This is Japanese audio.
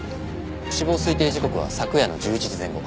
死亡推定時刻は昨夜の１１時前後。